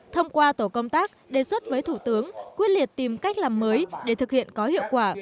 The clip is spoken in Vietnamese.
thông qua tổ công tác đề xuất với thủ tướng quyết liệt tìm cách làm mới để thực hiện có hiệu quả